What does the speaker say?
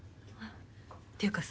っていうかさ